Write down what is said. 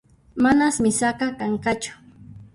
Manas misaqa kanqachu